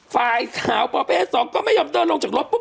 ฝ่ายสาวประเภท๒ก็ไม่ยอมเดินลงจากรถปุ๊